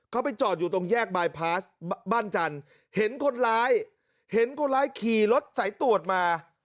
เขาไปจอดอยู่ตรงแยกบายพาสบ้านจันทร์เห็นคนร้ายเห็นคนร้ายขี่รถสายตรวจมา